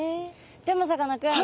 でもさかなクン